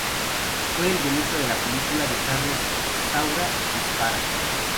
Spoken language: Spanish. Fue el guionista de la película de Carlos Saura "¡Dispara!".